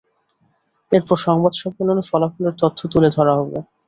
এরপর সংবাদ সম্মেলনে ফলাফলের তথ্য তুলে ধরা হবে।